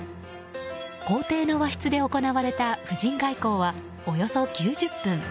公邸の和室で行われた夫人外交はおよそ９０分。